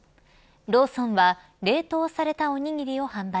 ローソンは冷凍されたおにぎりを販売。